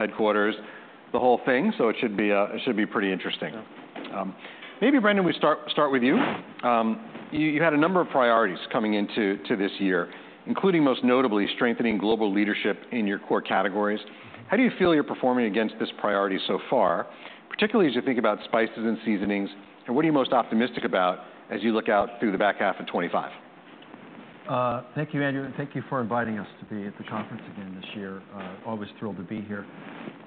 headquarters, the whole thing, so it should be pretty interesting. Yeah. Maybe, Brendan, we start with you. You had a number of priorities coming into this year, including, most notably, strengthening global leadership in your core categories. How do you feel you're performing against this priority so far, particularly as you think about spices and seasonings, and what are you most optimistic about as you look out through the back half of twenty-five? Thank you, Andrew, and thank you for inviting us to be at the conference again this year. Always thrilled to be here.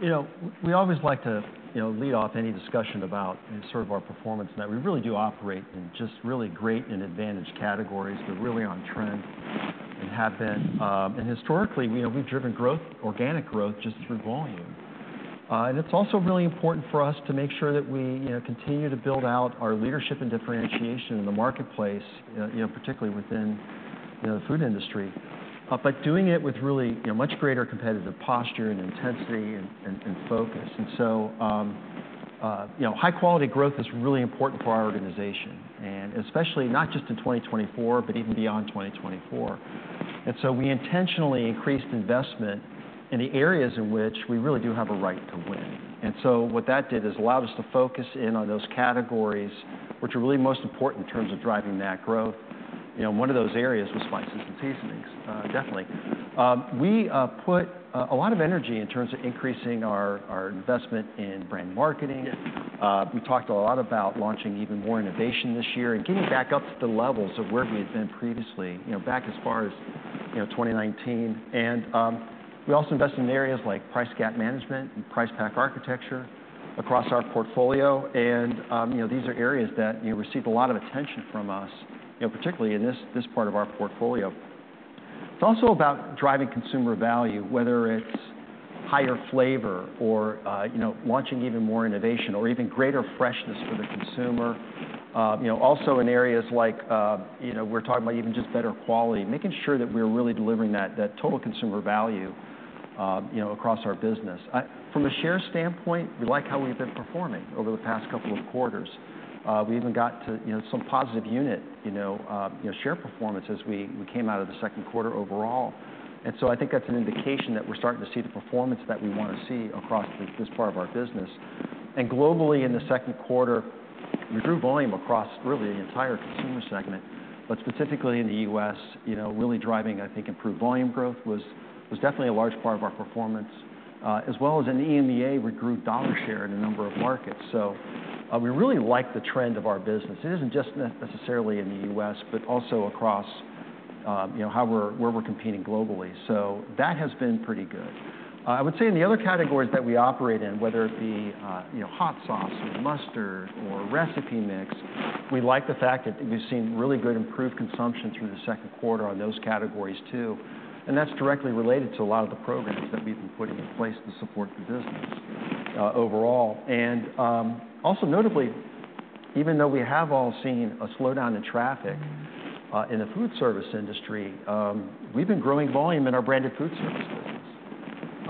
You know, we always like to, you know, lead off any discussion about and sort of our performance, and that we really do operate in just really great and advantaged categories. We're really on trend and have been, and historically, we have driven growth, organic growth, just through volume. It's also really important for us to make sure that we, you know, continue to build out our leadership and differentiation in the marketplace, you know, particularly within, you know, the food industry, but doing it with really, you know, much greater competitive posture and intensity and focus. And so, you know, high-quality growth is really important for our organization, and especially not just in 2024, but even beyond 2024. And so we intentionally increased investment in the areas in which we really do have a right to win. And so what that did is allowed us to focus in on those categories which are really most important in terms of driving that growth. You know, one of those areas was spices and seasonings, definitely. We put a lot of energy in terms of increasing our investment in brand marketing. Yeah. We talked a lot about launching even more innovation this year and getting back up to the levels of where we had been previously, you know, back as far as, you know, 2019. And we also invested in areas like price gap management and price pack architecture across our portfolio. And you know, these are areas that, you know, received a lot of attention from us, you know, particularly in this, this part of our portfolio. It's also about driving consumer value, whether it's higher flavor or, you know, launching even more innovation or even greater freshness for the consumer. You know, also in areas like, you know, we're talking about even just better quality, making sure that we're really delivering that, that total consumer value, you know, across our business. From a share standpoint, we like how we've been performing over the past couple of quarters. We even got to, you know, some positive unit, you know, share performance as we came out of the second quarter overall, and so I think that's an indication that we're starting to see the performance that we wanna see across this part of our business, and globally, in the second quarter, we grew volume across really the entire consumer segment, but specifically in the U.S., you know, really driving, I think, improved volume growth was definitely a large part of our performance, as well as in EMEA, we grew dollar share in a number of markets, so we really like the trend of our business. It isn't just necessarily in the U.S., but also across, you know, where we're competing globally, so that has been pretty good. I would say in the other categories that we operate in, whether it be, you know, hot sauce or mustard or recipe mix, we like the fact that we've seen really good improved consumption through the second quarter on those categories, too, and that's directly related to a lot of the programs that we've been putting in place to support the business, overall. Also notably, even though we have all seen a slowdown in traffic, in the food service industry, we've been growing volume in our branded food service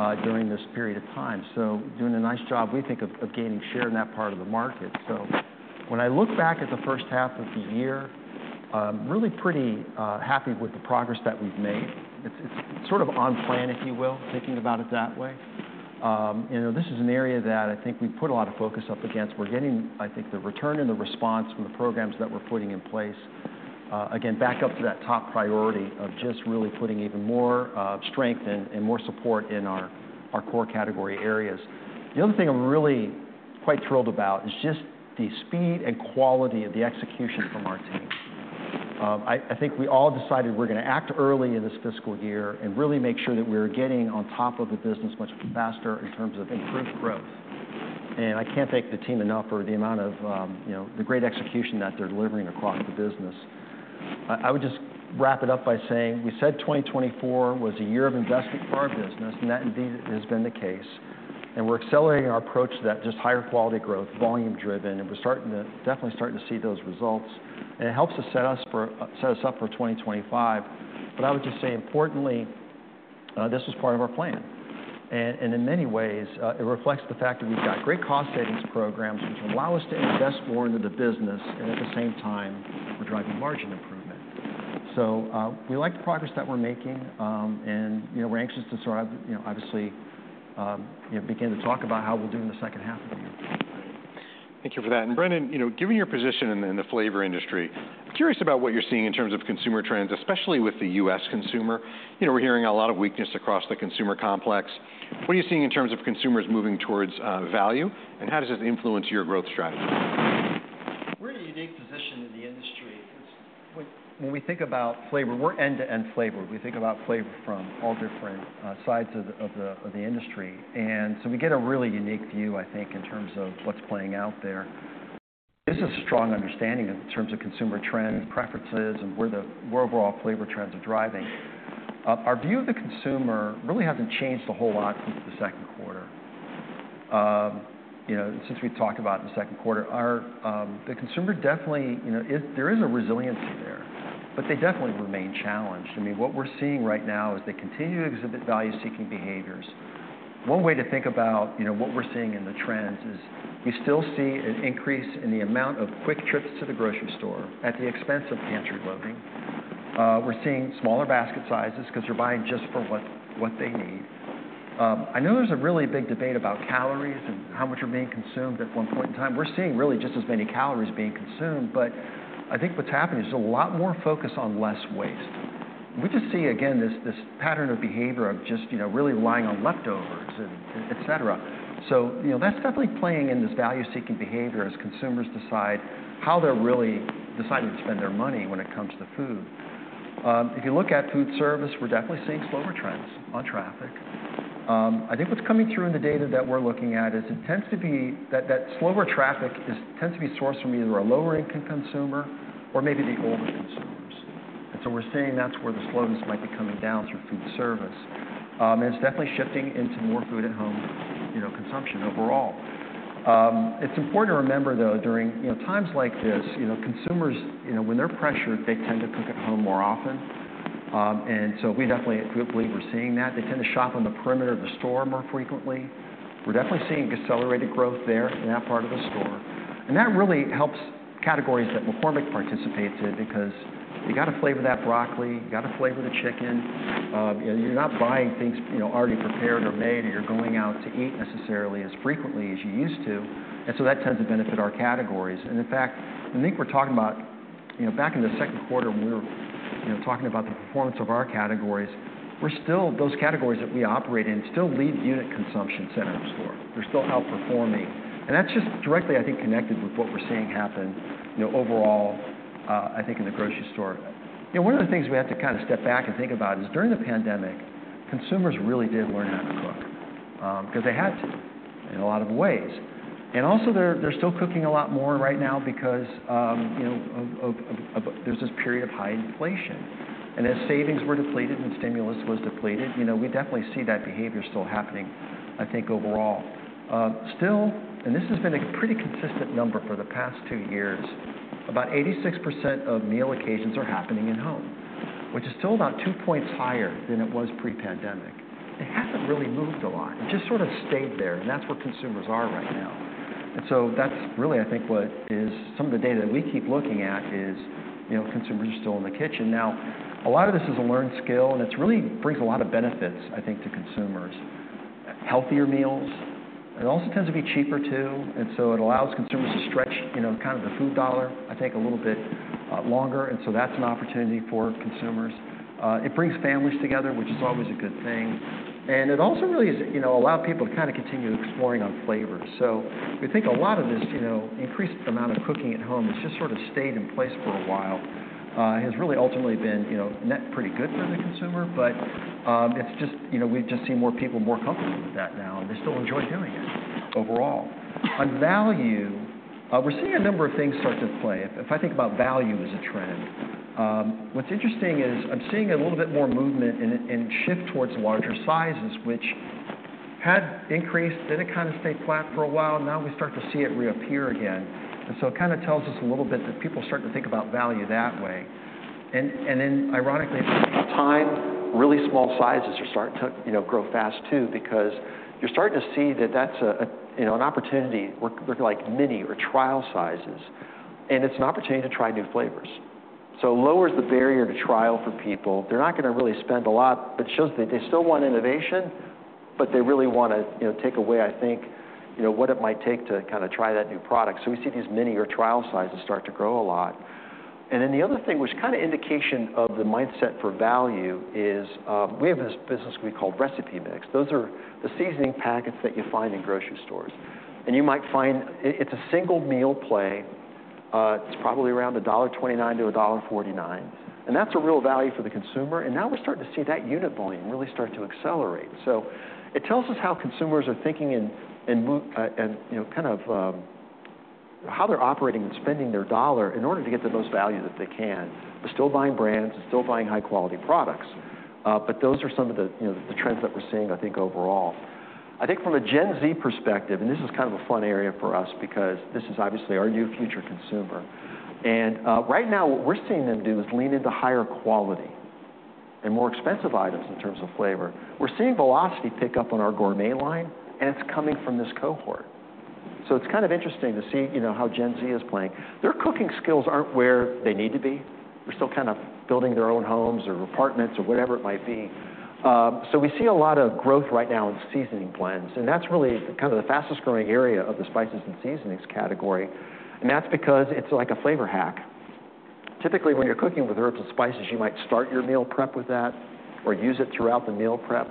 business, during this period of time. So doing a nice job, we think, of gaining share in that part of the market. So, when I look back at the first half of the year, really pretty happy with the progress that we've made. It's sort of on plan, if you will, thinking about it that way. You know, this is an area that I think we've put a lot of focus up against. We're getting, I think, the return and the response from the programs that we're putting in place, again, back up to that top priority of just really putting even more strength and more support in our core category areas. The other thing I'm really quite thrilled about is just the speed and quality of the execution from our team. I think we all decided we're gonna act early in this fiscal year and really make sure that we're getting on top of the business much faster in terms of improved growth. I can't thank the team enough for the amount of, you know, the great execution that they're delivering across the business. I would just wrap it up by saying, we said twenty twenty-four was a year of investment for our business, and that indeed has been the case, and we're accelerating our approach to that just higher quality growth, volume driven, and we're definitely starting to see those results. It helps us set us up for twenty twenty-five. But I would just say, importantly, this was part of our plan. In many ways, it reflects the fact that we've got great cost savings programs which allow us to invest more into the business, and at the same time, we're driving margin improvement, so we like the progress that we're making, and, you know, we're anxious to sort of, you know, obviously, you know, begin to talk about how we'll do in the second half of the year. Thank you for that, and Brendan, you know, given your position in the flavor industry, I'm curious about what you're seeing in terms of consumer trends, especially with the US consumer. You know, we're hearing a lot of weakness across the consumer complex. What are you seeing in terms of consumers moving towards value, and how does this influence your growth strategy? We're in a unique position in the industry because when we think about flavor, we're end-to-end flavor. We think about flavor from all different sides of the industry, and so we get a really unique view, I think, in terms of what's playing out there. This is a strong understanding in terms of consumer trend and preferences and where overall flavor trends are driving. Our view of the consumer really hasn't changed a whole lot since the second quarter. You know, since we've talked about the second quarter, our... The consumer definitely, you know, there is a resiliency there, but they definitely remain challenged. I mean, what we're seeing right now is they continue to exhibit value-seeking behaviors. One way to think about, you know, what we're seeing in the trends is you still see an increase in the amount of quick trips to the grocery store at the expense of pantry loading. We're seeing smaller basket sizes, because they're buying just for what they need. I know there's a really big debate about calories and how much are being consumed at one point in time. We're seeing really just as many calories being consumed, but I think what's happening is a lot more focus on less waste. We just see, again, this pattern of behavior of just, you know, really relying on leftovers and, et cetera. So, you know, that's definitely playing in this value-seeking behavior as consumers decide how they're really deciding to spend their money when it comes to food. If you look at food service, we're definitely seeing slower trends on traffic. I think what's coming through in the data that we're looking at is that slower traffic tends to be sourced from either a lower-income consumer or maybe the older consumers. And so we're seeing that's where the slowness might be coming down through food service. And it's definitely shifting into more food-at-home, you know, consumption overall. It's important to remember, though, during, you know, times like this, you know, consumers, you know, when they're pressured, they tend to cook at home more often. And so we definitely, at Group, believe we're seeing that. They tend to shop on the perimeter of the store more frequently. We're definitely seeing accelerated growth there in that part of the store. And that really helps categories that McCormick participates in, because you got to flavor that broccoli, you got to flavor the chicken. You're not buying things, you know, already prepared or made, or you're going out to eat necessarily as frequently as you used to, and so that tends to benefit our categories. And in fact, I think we're talking about, you know, back in the second quarter, when we were, you know, talking about the performance of our categories, we're still those categories that we operate in still lead unit consumption center store. They're still outperforming. And that's just directly, I think, connected with what we're seeing happen, you know, overall, I think in the grocery store. You know, one of the things we have to kind of step back and think about is, during the pandemic, consumers really did learn how to cook, because they had to in a lot of ways. And also, they're, they're still cooking a lot more right now because, you know, there's this period of high inflation. And as savings were depleted and stimulus was depleted, you know, we definitely see that behavior still happening, I think, overall. Still, and this has been a pretty consistent number for the past two years, about 86% of meal occasions are happening in home, which is still about two points higher than it was pre-pandemic. It hasn't really moved a lot. It just sort of stayed there, and that's where consumers are right now. And so that's really, I think, what is some of the data that we keep looking at is, you know, consumers are still in the kitchen. Now, a lot of this is a learned skill, and it's really brings a lot of benefits, I think, to consumers. Healthier meals. It also tends to be cheaper, too, and so it allows consumers to stretch, you know, kind of their food dollar, I think, a little bit longer, and so that's an opportunity for consumers. It brings families together, which is always a good thing. And it also really is, you know, allow people to kind of continue exploring on flavors. So we think a lot of this, you know, increased amount of cooking at home has just sort of stayed in place for a while, has really ultimately been, you know, net pretty good for the consumer. But it's just, you know, we've just seen more people more comfortable with that now, and they still enjoy doing it overall. On value, we're seeing a number of things start to play. If I think about value as a trend, what's interesting is I'm seeing a little bit more movement and shift towards larger sizes, which had increased, then it kind of stayed flat for a while, now we start to see it reappear again. And then ironically, at the same time, really small sizes are starting to, you know, grow fast, too, because you're starting to see that that's a you know, an opportunity where like mini or trial sizes, and it's an opportunity to try new flavors. So it lowers the barrier to trial for people. They're not gonna really spend a lot, but it shows that they still want innovation, but they really wanna, you know, take away, I think, you know, what it might take to kind of try that new product. So we see these mini or trial sizes start to grow a lot. And then the other thing, which is kind of indication of the mindset for value, is we have this business we call recipe mix. Those are the seasoning packets that you find in grocery stores. And you might find it, it's a single meal play, it's probably around $1.29-$1.49, and that's a real value for the consumer, and now we're starting to see that unit volume really start to accelerate. So it tells us how consumers are thinking and, you know, kind of, how they're operating and spending their dollar in order to get the most value that they can. They're still buying brands, they're still buying high-quality products, but those are some of the, you know, the trends that we're seeing, I think, overall. I think from a Gen Z perspective, and this is kind of a fun area for us because this is obviously our new future consumer, and right now what we're seeing them do is lean into higher quality and more expensive items in terms of flavor. We're seeing velocity pick up on our gourmet line, and it's coming from this cohort. So it's kind of interesting to see, you know, how Gen Z is playing. Their cooking skills aren't where they need to be. They're still kind of building their own homes or apartments or whatever it might be. So we see a lot of growth right now in seasoning blends, and that's really kind of the fastest growing area of the spices and seasonings category. And that's because it's like a flavor hack. Typically, when you're cooking with herbs and spices, you might start your meal prep with that or use it throughout the meal prep.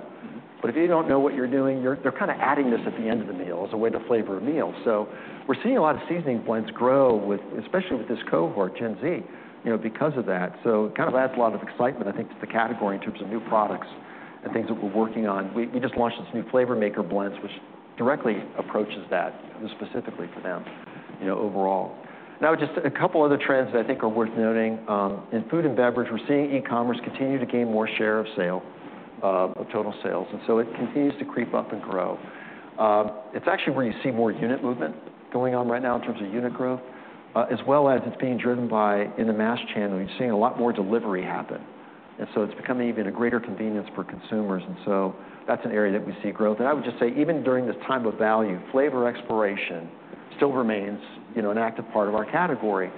But if you don't know what you're doing, they're kind of adding this at the end of the meal as a way to flavor a meal. So we're seeing a lot of seasoning blends grow with, especially with this cohort, Gen Z, you know, because of that. So it kind of adds a lot of excitement, I think, to the category in terms of new products and things that we're working on. We just launched this new Flavor Maker blends, which directly approaches that specifically for them, you know, overall. Now, just a couple other trends that I think are worth noting. In food and beverage, we're seeing e-commerce continue to gain more share of sale of total sales, and so it continues to creep up and grow. It's actually where you see more unit movement going on right now in terms of unit growth, as well as it's being driven by, in the mass channel, you're seeing a lot more delivery happen, and so it's becoming even a greater convenience for consumers, and so that's an area that we see growth, and I would just say, even during this time of value, flavor exploration still remains, you know, an active part of our category.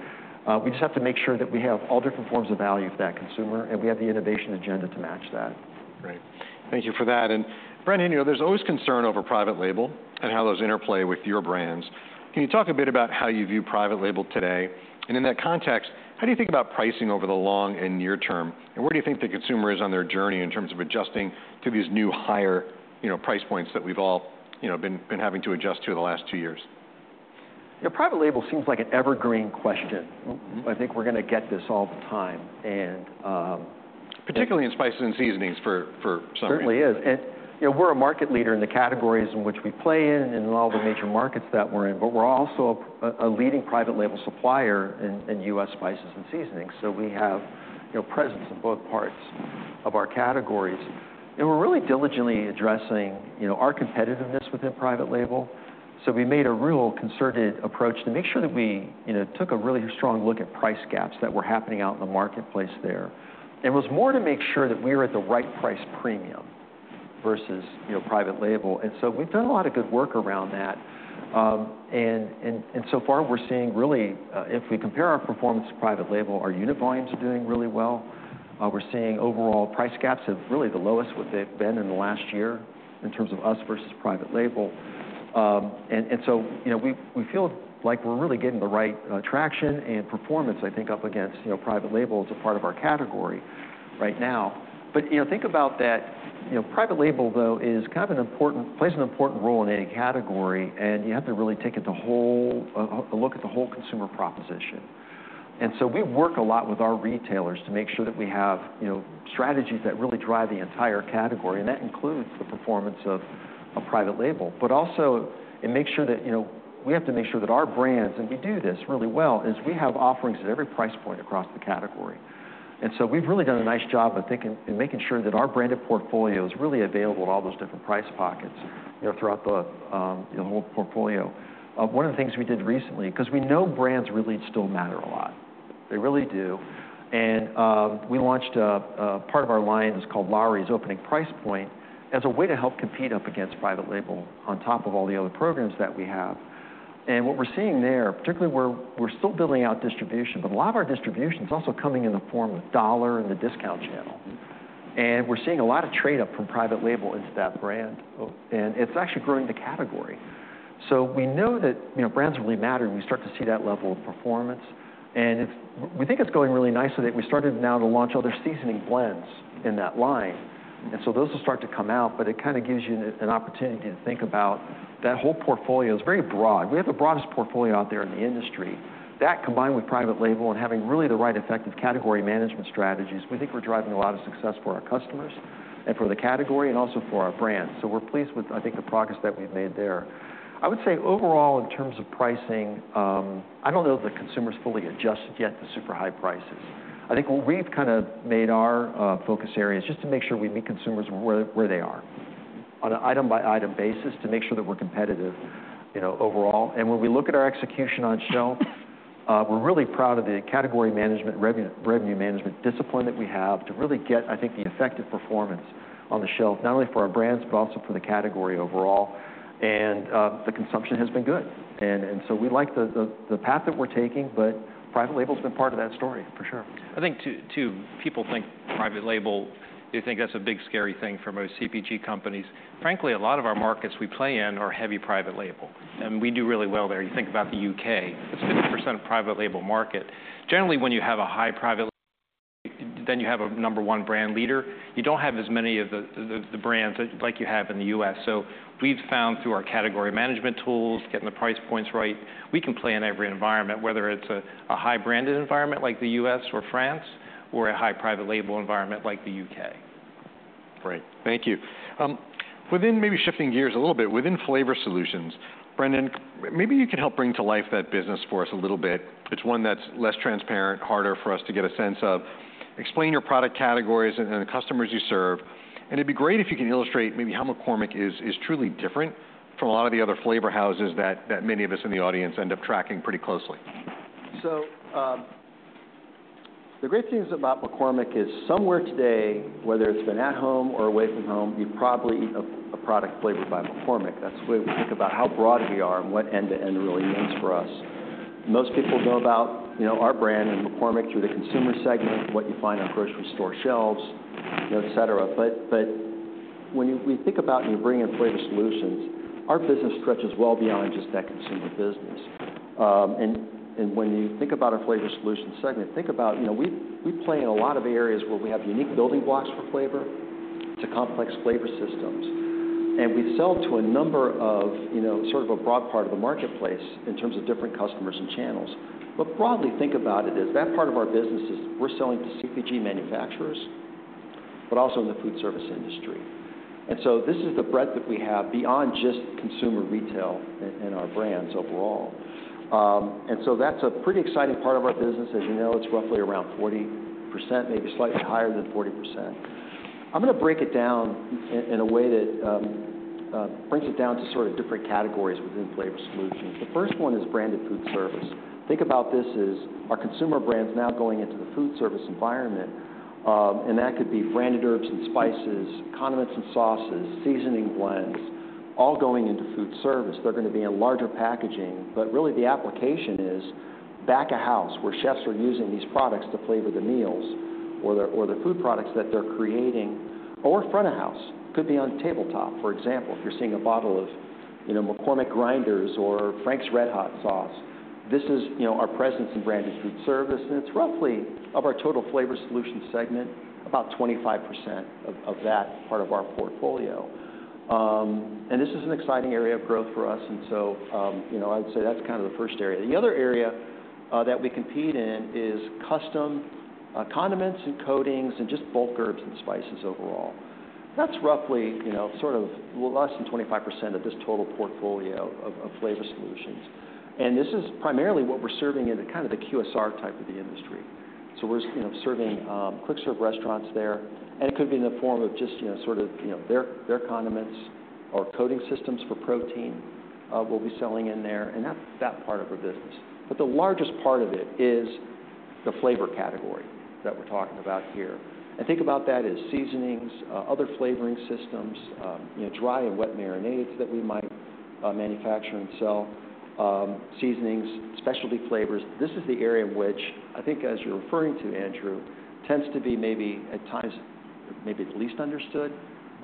We just have to make sure that we have all different forms of value for that consumer, and we have the innovation agenda to match that. Great. Thank you for that. And Brendan, you know, there's always concern over private label and how those interplay with your brands. Can you talk a bit about how you view private label today? And in that context, how do you think about pricing over the long and near term, and where do you think the consumer is on their journey in terms of adjusting to these new, higher, you know, price points that we've all, you know, been having to adjust to in the last two years? Yeah, private label seems like an evergreen question. Mm-hmm. I think we're gonna get this all the time, and Particularly in spices and seasonings, for some reason. Certainly is. And, you know, we're a market leader in the categories in which we play in and in all the major markets that we're in, but we're also a leading private label supplier in U.S. spices and seasonings, so we have, you know, presence in both parts of our categories. And we're really diligently addressing, you know, our competitiveness within private label. So we made a real concerted approach to make sure that we, you know, took a really strong look at price gaps that were happening out in the marketplace there. It was more to make sure that we were at the right price premium versus, you know, private label, and so we've done a lot of good work around that. And so far, we're seeing really, if we compare our performance to private label, our unit volumes are doing really well. We're seeing overall price gaps at really the lowest what they've been in the last year in terms of us versus private label. And so, you know, we feel like we're really getting the right traction and performance, I think, up against, you know, private label as a part of our category right now. But you know, think about that, you know, private label, though, plays an important role in any category, and you have to really take a look at the whole consumer proposition. So we work a lot with our retailers to make sure that we have, you know, strategies that really drive the entire category, and that includes the performance of private label. But also, it makes sure that, you know, we have to make sure that our brands, and we do this really well, is we have offerings at every price point across the category. And so we've really done a nice job of thinking and making sure that our branded portfolio is really available at all those different price points, you know, throughout the whole portfolio. One of the things we did recently... 'Cause we know brands really still matter a lot. They really do. And we launched a part of our line that's called Lawry's Opening price point, as a way to help compete up against private label, on top of all the other programs that we have. And what we're seeing there, particularly we're still building out distribution, but a lot of our distribution is also coming in the form of dollar and the discount channel. And we're seeing a lot of trade-up from private label into that brand. Oh, and it's actually growing the category. So we know that, you know, brands really matter, and we start to see that level of performance, and we think it's going really nicely. We started now to launch other seasoning blends in that line, and so those will start to come out, but it kind of gives you an opportunity to think about that whole portfolio is very broad. We have the broadest portfolio out there in the industry. That, combined with private label and having really the right effective category management strategies, we think we're driving a lot of success for our customers and for the category and also for our brands. So we're pleased with, I think, the progress that we've made there. I would say, overall, in terms of pricing, I don't know if the consumer's fully adjusted yet to super high prices. I think what we've kind of made our focus areas, just to make sure we meet consumers where they are on an item-by-item basis to make sure that we're competitive, you know, overall. When we look at our execution on shelf, we're really proud of the category management, revenue management discipline that we have to really get, I think, the effective performance on the shelf, not only for our brands, but also for the category overall. The consumption has been good, and so we like the path that we're taking, but private label's been part of that story, for sure. I think people think private label, they think that's a big, scary thing for most CPG companies. Frankly, a lot of our markets we play in are heavy private label, and we do really well there. You think about the U.K., it's a 50% private label market. Generally, when you have a high private label, then you have a number one brand leader. You don't have as many of the brands like you have in the U.S. So we've found, through our category management tools, getting the price points right, we can play in every environment, whether it's a high-branded environment like the U.S. or France, or a high private label environment like the U.K. Great. Thank you. Within maybe shifting gears a little bit, within flavor solutions, Brendan, maybe you could help bring to life that business for us a little bit. It's one that's less transparent, harder for us to get a sense of. Explain your product categories and the customers you serve, and it'd be great if you can illustrate maybe how McCormick is truly different from a lot of the other flavor houses that many of us in the audience end up tracking pretty closely. The great things about McCormick is somewhere today, whether it's been at home or away from home, you've probably eaten a product flavored by McCormick. That's the way we think about how broad we are and what end-to-end really means for us. Most people know about, you know, our brand and McCormick through the Consumer segment, what you find on grocery store shelves, you know, et cetera. We think about and you bring in Flavor Solutions, our business stretches well beyond just that Consumer business. When you think about our Flavor Solutions segment, think about, you know, we play in a lot of areas where we have unique building blocks for flavor to complex flavor systems. And we sell to a number of, you know, sort of a broad part of the marketplace in terms of different customers and channels. But broadly, think about it as that part of our business is we're selling to CPG manufacturers, but also in the food service industry. And so this is the breadth that we have beyond just consumer retail and our brands overall. And so that's a pretty exciting part of our business. As you know, it's roughly around 40%, maybe slightly higher than 40%. I'm gonna break it down in a way that brings it down to sort of different categories within flavor solutions. The first one is branded food service. Think about this as our consumer brands now going into the food service environment, and that could be branded herbs and spices, condiments and sauces, seasoning blends, all going into food service. They're gonna be in larger packaging, but really, the application is back of house, where chefs are using these products to flavor the meals or the food products that they're creating, or front of house. Could be on tabletop, for example, if you're seeing a bottle of, you know, McCormick grinders or Frank's RedHot sauce. This is, you know, our presence in branded food service, and it's roughly, of our total Flavor Solutions segment, about 25% of that part of our portfolio. And this is an exciting area of growth for us, and so, you know, I'd say that's kind of the first area. The other area that we compete in is custom condiments and coatings and just bulk herbs and spices overall. That's roughly, you know, sort of less than 25% of this total portfolio of flavor solutions, and this is primarily what we're serving in the kind of QSR type of the industry. So we're, you know, serving quick-serve restaurants there, and it could be in the form of just, you know, sort of, you know, their condiments or coating systems for protein we'll be selling in there, and that's that part of our business. But the largest part of it is the flavor category that we're talking about here. And think about that as seasonings other flavoring systems, you know, dry and wet marinades that we might manufacture and sell, seasonings, specialty flavors. This is the area in which I think as you're referring to, Andrew, tends to be maybe at times, maybe the least understood.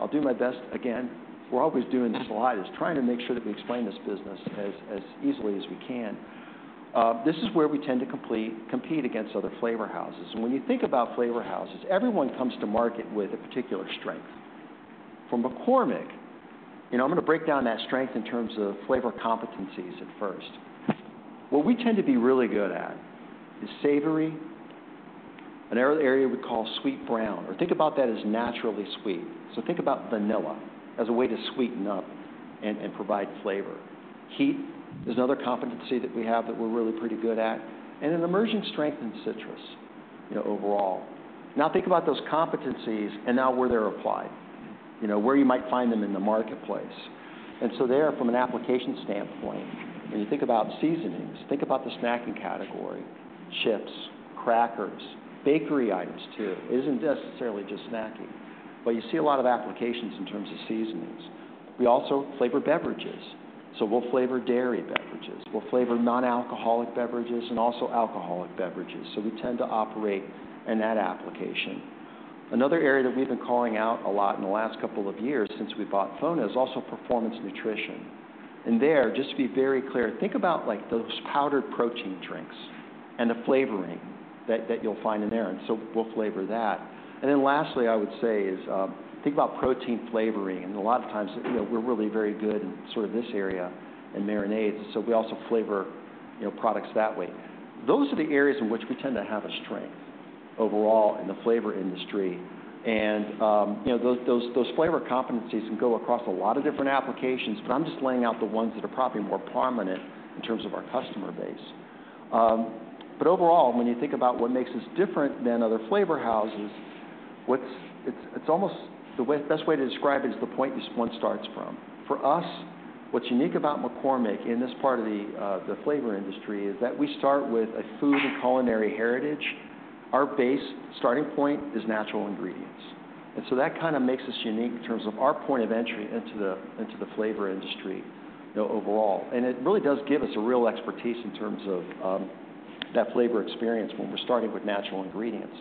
I'll do my best. Again, we're always doing the sliders, trying to make sure that we explain this business as, as easily as we can. This is where we tend to compete against other flavor houses. And when you think about flavor houses, everyone comes to market with a particular strength. For McCormick, you know, I'm gonna break down that strength in terms of flavor competencies at first. What we tend to be really good at is savory, an area we call sweet brown, or think about that as naturally sweet. So think about vanilla as a way to sweeten up and, and provide flavor. Heat is another competency that we have that we're really pretty good at, and an emerging strength in citrus, you know, overall. Now, think about those competencies and now where they're applied, you know, where you might find them in the marketplace. And so there, from an application standpoint, when you think about seasonings, think about the snacking category: chips, crackers, bakery items, too. It isn't necessarily just snacking, but you see a lot of applications in terms of seasonings. We also flavor beverages, so we'll flavor dairy beverages. We'll flavor non-alcoholic beverages and also alcoholic beverages, so we tend to operate in that application. Another area that we've been calling out a lot in the last couple of years since we bought FONA is also performance nutrition. And there, just to be very clear, think about, like, those powdered protein drinks and the flavoring that you'll find in there, and so we'll flavor that. And then lastly, I would say is think about protein flavoring, and a lot of times, you know, we're really very good in sort of this area in marinades, so we also flavor, you know, products that way. Those are the areas in which we tend to have a strength overall in the flavor industry. And you know, those flavor competencies can go across a lot of different applications, but I'm just laying out the ones that are probably more prominent in terms of our customer base. But overall, when you think about what makes us different than other flavor houses, what's it almost... The best way to describe it is the point one starts from. For us, what's unique about McCormick in this part of the flavor industry is that we start with a food and culinary heritage. Our base starting point is natural ingredients, and so that kind of makes us unique in terms of our point of entry into the flavor industry, you know, overall, and it really does give us a real expertise in terms of that flavor experience when we're starting with natural ingredients.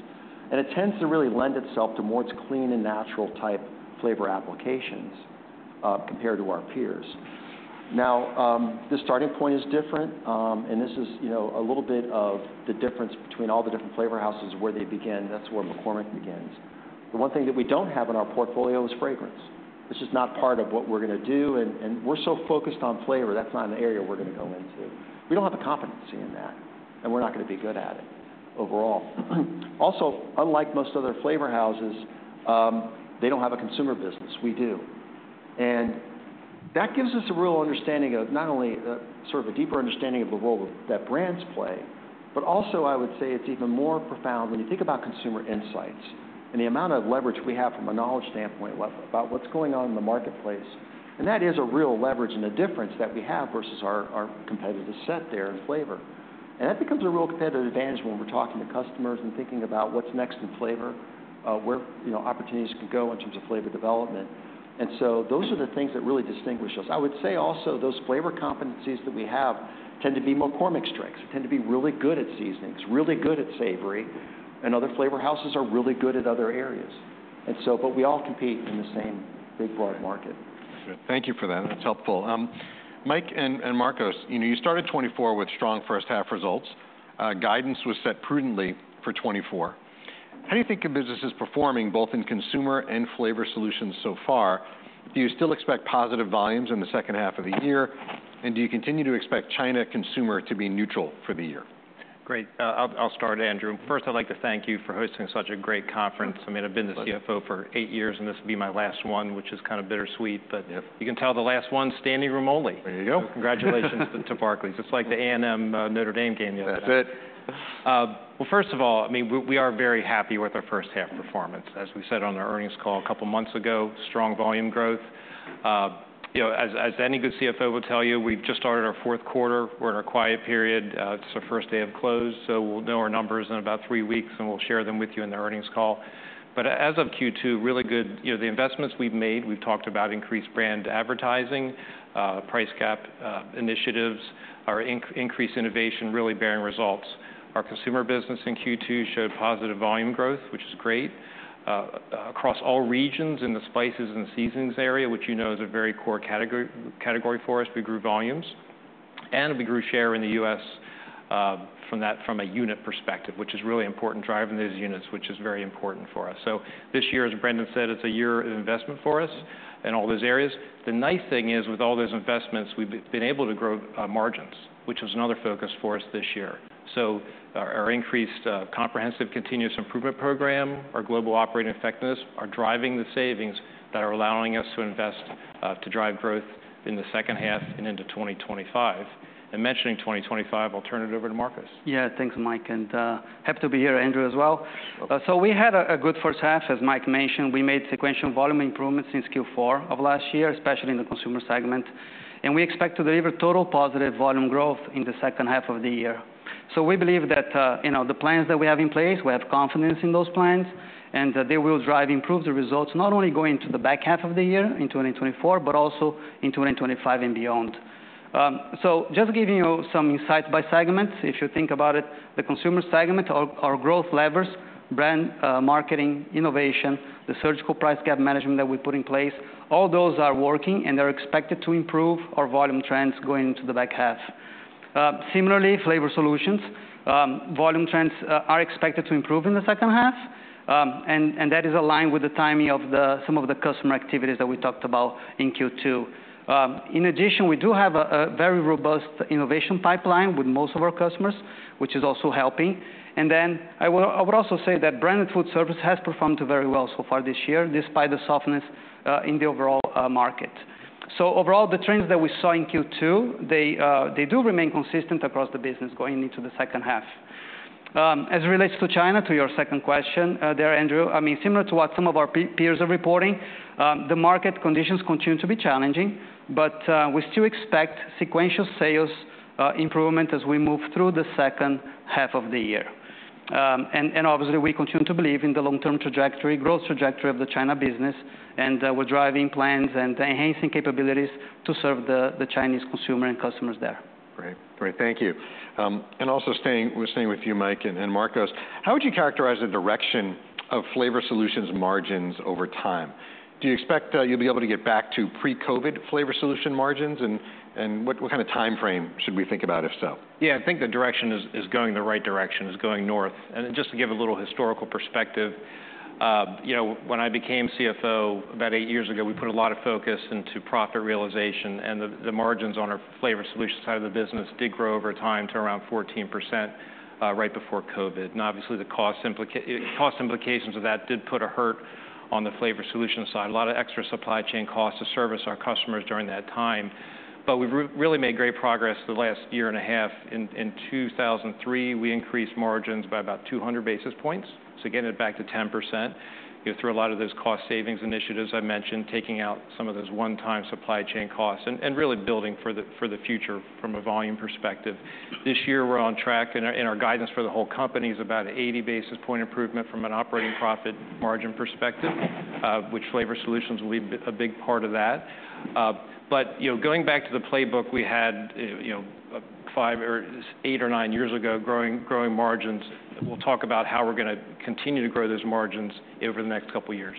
And it tends to really lend itself towards clean and natural type flavor applications compared to our peers. Now, the starting point is different, and this is, you know, a little bit of the difference between all the different flavor houses, where they begin. That's where McCormick begins. The one thing that we don't have in our portfolio is fragrance, which is not part of what we're gonna do, and we're so focused on flavor. That's not an area we're gonna go into. We don't have the competency in that, and we're not gonna be good at it overall. Also, unlike most other flavor houses, they don't have a consumer business. We do. And that gives us a real understanding of not only the, sort of a deeper understanding of the role that brands play, but also, I would say it's even more profound when you think about consumer insights and the amount of leverage we have from a knowledge standpoint about what's going on in the marketplace, and that is a real leverage and a difference that we have versus our, our competitive set there in flavor. And that becomes a real competitive advantage when we're talking to customers and thinking about what's next in flavor, where, you know, opportunities could go in terms of flavor development. And so those are the things that really distinguish us. I would say also, those flavor competencies that we have tend to be McCormick strengths, tend to be really good at seasonings, really good at savory, and other flavor houses are really good at other areas, and so, but we all compete in the same big, broad market. Thank you for that. That's helpful. Mike and Marcos, you know, you started 2024 with strong first half results. Guidance was set prudently for 2024. How do you think your business is performing, both in consumer and flavor solutions so far? Do you still expect positive volumes in the second half of the year, and do you continue to expect China consumer to be neutral for the year? Great. I'll start, Andrew. First, I'd like to thank you for hosting such a great conference. I mean, I've been the CFO- Pleasure... for eight years, and this will be my last one, which is kind of bittersweet. Yes. But you can tell the last one, standing room only. There you go. Congratulations to Barclays. It's like the A&M, Notre Dame game the other night. That's it. ... First of all, I mean, we are very happy with our first half performance. As we said on our earnings call a couple months ago, strong volume growth. You know, as any good CFO will tell you, we've just started our fourth quarter. We're in our quiet period. It's the first day of close, so we'll know our numbers in about three weeks, and we'll share them with you in the earnings call, but as of Q2, really good. You know, the investments we've made, we've talked about increased brand advertising, price pack initiatives, our increased innovation really bearing results. Our consumer business in Q2 showed positive volume growth, which is great. Across all regions in the spices and seasonings area, which you know is a very core category for us, we grew volumes, and we grew share in the U.S. from a unit perspective, which is really important, driving these units, which is very important for us. This year, as Brendan said, it is a year of investment for us in all those areas. The nice thing is, with all those investments, we have been able to grow margins, which was another focus for us this year. Our increased comprehensive continuous improvement program, our Global Operating Effectiveness, are driving the savings that are allowing us to invest to drive growth in the second half and into 2025. Mentioning 2025, I will turn it over to Marcos. Yeah. Thanks, Mike, and happy to be here, Andrew, as well. So we had a good first half, as Mike mentioned. We made sequential volume improvements since Q4 of last year, especially in the consumer segment, and we expect to deliver total positive volume growth in the second half of the year. We believe that, you know, the plans that we have in place, we have confidence in those plans, and that they will drive, improve the results, not only going into the back half of the year, in 2024, but also in 2025 and beyond. So just giving you some insights by segments, if you think about it, the Consumer segment, our growth levers, brand, marketing, innovation, the surgical price gap management that we put in place, all those are working, and they're expected to improve our volume trends going into the back half. Similarly, Flavor Solutions, volume trends are expected to improve in the second half, and that is aligned with the timing of some of the customer activities that we talked about in Q2. In addition, we do have a very robust innovation pipeline with most of our customers, which is also helping. And then I would also say that branded food service has performed very well so far this year, despite the softness in the overall market. So overall, the trends that we saw in Q2, they do remain consistent across the business going into the second half. As it relates to China, to your second question, there, Andrew, I mean, similar to what some of our peers are reporting, the market conditions continue to be challenging, but we still expect sequential sales improvement as we move through the second half of the year. And obviously, we continue to believe in the long-term trajectory, growth trajectory of the China business, and we're driving plans and enhancing capabilities to serve the Chinese consumer and customers there. Great. Great, thank you. And also, we're staying with you, Mike and Marcos. How would you characterize the direction of Flavor Solutions margins over time? Do you expect you'll be able to get back to pre-COVID Flavor Solutions margins? And what kind of timeframe should we think about, if so? Yeah, I think the direction is going the right direction, is going north. And then just to give a little historical perspective, you know, when I became CFO about eight years ago, we put a lot of focus into profit realization, and the margins on our Flavor Solutions side of the business did grow over time to around 14%, right before COVID. And obviously, the cost implications of that did put a hurt on the Flavor Solutions side. A lot of extra supply chain costs to service our customers during that time. But we've really made great progress the last year and a half. In 2003, we increased margins by about 200 basis points, so getting it back to 10%, you know, through a lot of those cost savings initiatives I mentioned, taking out some of those one-time supply chain costs and really building for the future from a volume perspective. This year, we're on track, and our guidance for the whole company is about 80 basis point improvement from an operating profit margin perspective, which Flavor Solutions will be a big part of that. But, you know, going back to the playbook, we had, you know, five or eight or nine years ago, growing margins. We'll talk about how we're gonna continue to grow those margins over the next couple of years.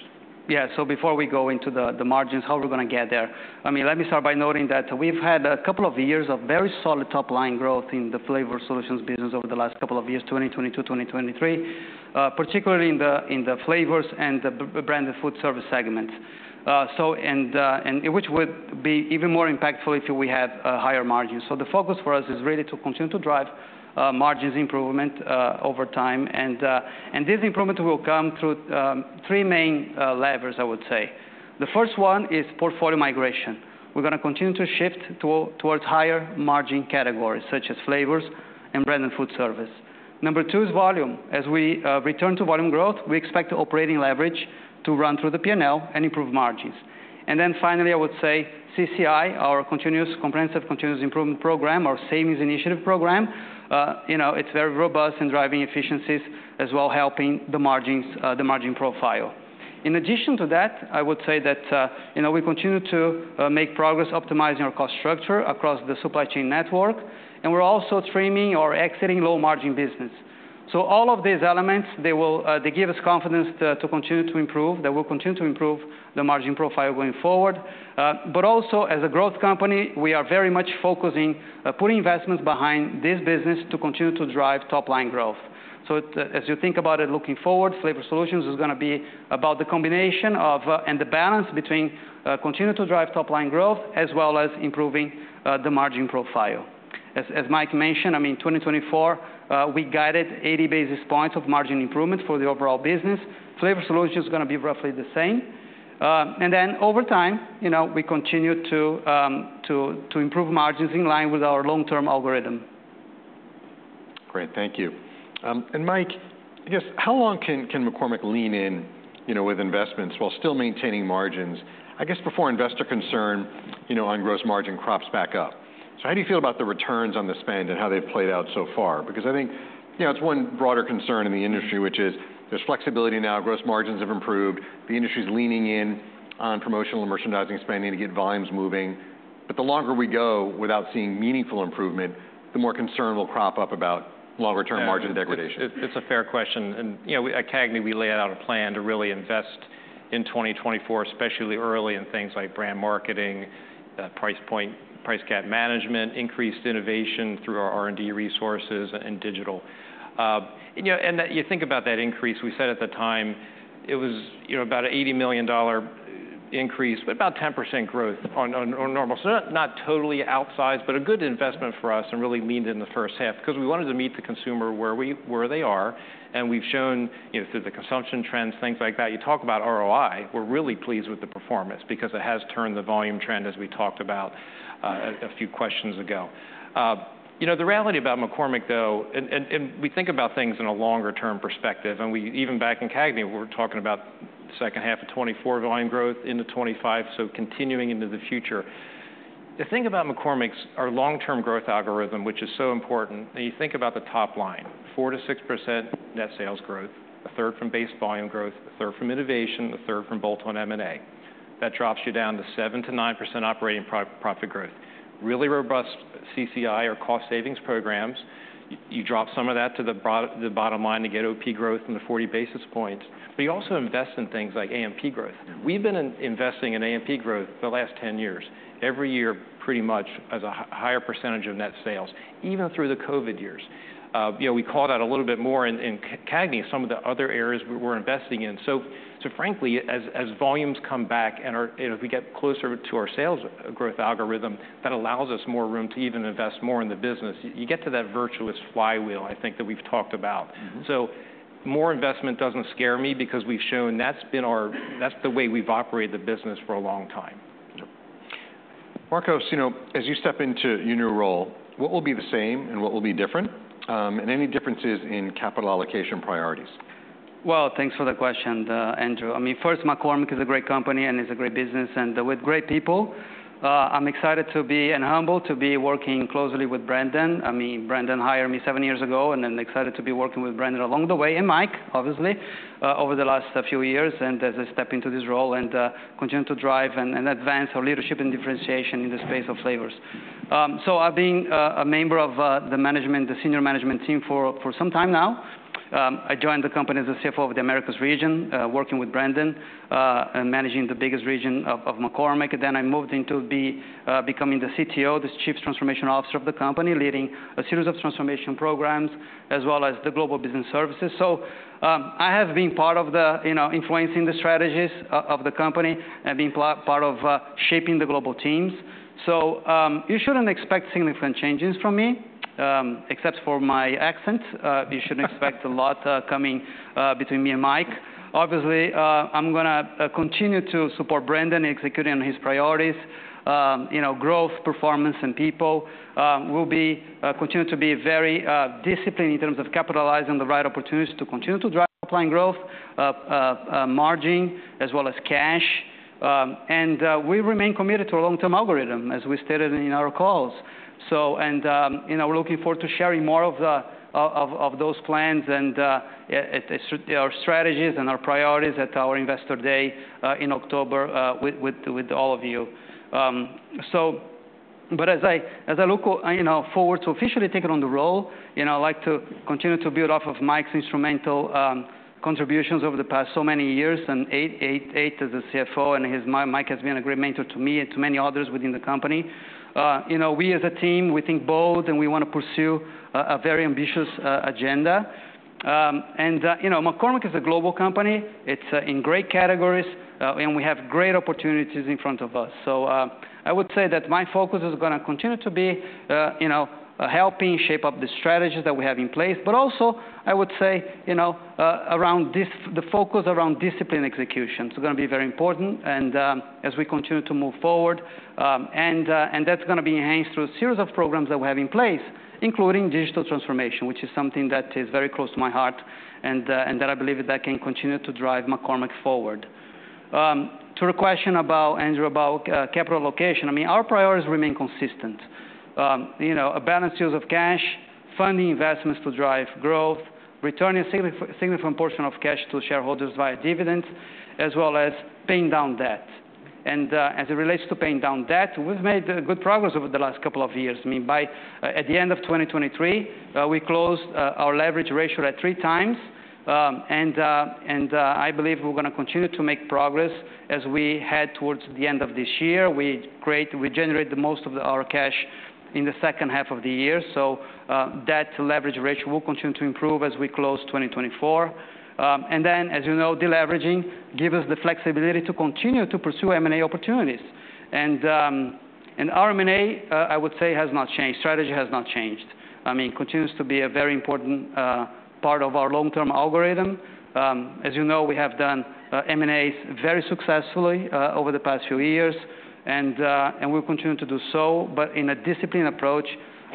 Yeah, so before we go into the margins, how we're gonna get there, I mean, let me start by noting that we've had a couple of years of very solid top-line growth in the Flavor Solutions business over the last couple of years, 2022, 2023, particularly in the flavors and the branded and food service segment. And which would be even more impactful if we had higher margins. So the focus for us is really to continue to drive margins improvement over time, and this improvement will come through three main levers, I would say. The first one is portfolio migration. We're gonna continue to shift towards higher margin categories, such as flavors and branded and food service. Number two is volume. As we return to volume growth, we expect the operating leverage to run through the P&L and improve margins, and then finally, I would say CCI, our Comprehensive Continuous Improvement program, our savings initiative program, you know, it's very robust in driving efficiencies, as well helping the margins, the margin profile. In addition to that, I would say that, you know, we continue to make progress optimizing our cost structure across the supply chain network, and we're also trimming or exiting low-margin business, so all of these elements, they will, they give us confidence to continue to improve, they will continue to improve the margin profile going forward, but also, as a growth company, we are very much focusing, putting investments behind this business to continue to drive top-line growth. So as you think about it looking forward, Flavor Solutions is gonna be about the combination of and the balance between continue to drive top-line growth, as well as improving the margin profile. As Mike mentioned, I mean, 2024, we guided 80 basis points of margin improvement for the overall business. Flavor Solutions is gonna be roughly the same. And then over time, you know, we continue to improve margins in line with our long-term algorithm. Great. Thank you, and Mike, I guess, how long can McCormick lean in, you know, with investments while still maintaining margins, I guess, before investor concern, you know, on gross margin creeps back up? So how do you feel about the returns on the spend and how they've played out so far? Because I think, you know, it's one broader concern in the industry, which is there's flexibility now, gross margins have improved, the industry's leaning in on promotional merchandising spending to get volumes moving. But the longer we go without seeing meaningful improvement, the more concern will crop up about long-term margin degradation. It's a fair question, and you know, at CAGNY, we laid out a plan to really invest in 2024, especially early in things like brand marketing, price point, price gap management, increased innovation through our R&D resources and digital. You know, and that you think about that increase, we said at the time it was you know, about an $80 million dollar increase, but about 10% growth on normal. So not totally outsized, but a good investment for us and really leaned in the first half because we wanted to meet the consumer where they are. And we've shown you know, through the consumption trends, things like that, you talk about ROI, we're really pleased with the performance because it has turned the volume trend, as we talked about a few questions ago. You know, the reality about McCormick, though, and we think about things in a longer-term perspective, and we even back in CAGNY, we're talking about second half of 2024 volume growth into 2025, so continuing into the future. The thing about McCormick's. Our long-term growth algorithm, which is so important, and you think about the top line, 4-6% net sales growth, a third from base volume growth, a third from innovation, a third from bolt-on M&A. That drops you down to 7-9% operating profit growth. Really robust CCI or cost savings programs, you drop some of that to the bottom line to get OP growth in the 40 basis points, but you also invest in things like A&P growth. We've been investing in A&P growth the last ten years, every year, pretty much as a higher percentage of net sales, even through the COVID years. You know, we called out a little bit more in CAGNY, some of the other areas we're investing in. So frankly, as volumes come back and our. You know, we get closer to our sales growth algorithm, that allows us more room to even invest more in the business. You get to that virtuous flywheel, I think, that we've talked about. Mm-hmm. More investment doesn't scare me because we've shown that's the way we've operated the business for a long time. Yep. Marcos, you know, as you step into your new role, what will be the same and what will be different, and any differences in capital allocation priorities? Thanks for the question, Andrew. I mean, first, McCormick is a great company, and it's a great business, and with great people. I'm excited to be and humbled to be working closely with Brendan. I mean, Brendan hired me seven years ago, and I'm excited to be working with Brendan along the way, and Mike, obviously, over the last few years, and as I step into this role and continue to drive and advance our leadership and differentiation in the space of flavors. So I've been a member of the senior management team for some time now. I joined the company as the CFO of the Americas region, working with Brendan, and managing the biggest region of McCormick. Then I moved into becoming the CTO, the Chief Transformation Officer of the company, leading a series of transformation programs, as well as the global business services. So, I have been part of the, you know, influencing the strategies of the company and been part of shaping the global teams. So, you shouldn't expect significant changes from me, except for my accent. You should expect a lot coming between me and Mike. Obviously, I'm gonna continue to support Brendan in executing on his priorities. You know, growth, performance, and people. We'll be continue to be very disciplined in terms of capitalizing the right opportunities to continue to drive applying growth, margin, as well as cash. And, we remain committed to a long-term algorithm, as we stated in our calls. You know, we're looking forward to sharing more of those plans and our strategies and our priorities at our Investor Day in October with all of you. As I look forward to officially taking on the role, you know, I'd like to continue to build off of Mike's instrumental contributions over the past eight years as a CFO, and his. Mike has been a great mentor to me and to many others within the company. You know, we as a team, we think bold, and we want to pursue a very ambitious agenda. You know, McCormick is a global company. It's in great categories, and we have great opportunities in front of us. So, I would say that my focus is gonna continue to be, you know, helping shape up the strategy that we have in place, but also, I would say, you know, around the focus around disciplined execution, it's gonna be very important and, as we continue to move forward, and that's gonna be enhanced through a series of programs that we have in place, including digital transformation, which is something that is very close to my heart, and that I believe can continue to drive McCormick forward. To your question, Andrew, about capital allocation, I mean, our priorities remain consistent, you know, a balanced use of cash, funding investments to drive growth, returning a significant portion of cash to shareholders via dividends, as well as paying down debt. As it relates to paying down debt, we've made good progress over the last couple of years. I mean, by the end of 2023, we closed our leverage ratio at three times. I believe we're gonna continue to make progress as we head towards the end of this year. We generate the most of our cash in the second half of the year, so debt leverage ratio will continue to improve as we close 2024. Then, as you know, deleveraging give us the flexibility to continue to pursue M&A opportunities. Our M&A, I would say, has not changed. Strategy has not changed. I mean, continues to be a very important part of our long-term algorithm. As you know, we have done M&A very successfully over the past few years, and we'll continue to do so, but in a disciplined approach,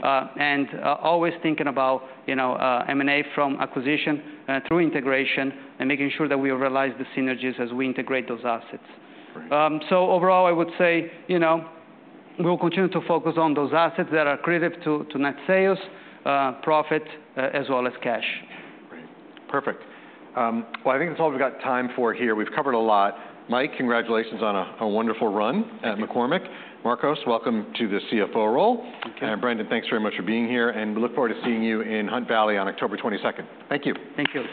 and always thinking about, you know, M&A from acquisition through integration and making sure that we realize the synergies as we integrate those assets. Great. Overall, I would say, you know, we'll continue to focus on those assets that are accretive to net sales, profit, as well as cash. Great. Perfect. Well, I think that's all we've got time for here. We've covered a lot. Mike, congratulations on a wonderful run at McCormick. Thank you. Marcos, welcome to the CFO role. Thank you. Brendan, thanks very much for being here, and we look forward to seeing you in Hunt Valley on October 22nd. Thank you. Thank you.